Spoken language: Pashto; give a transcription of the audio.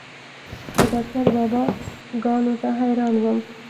د ډاکتر بابا ګانو ته حيران وم.